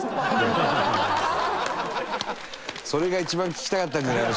それが一番聞きたかったんじゃないの？